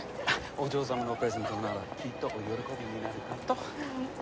お嬢様のプレゼントならきっとお喜びになるかと。